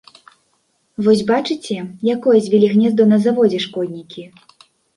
Вось бачыце, якое звілі гняздо на заводзе шкоднікі.